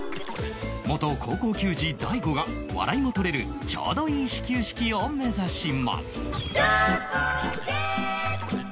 元高校球児大悟が笑いも取れるちょうどいい始球式を目指します